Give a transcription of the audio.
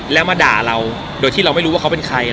แล้วมาด่าเราโดยที่เราไม่รู้ว่าเขาเป็นใคร